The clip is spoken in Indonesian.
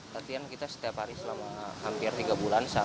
latihan kita setiap hari selama hampir tiga bulan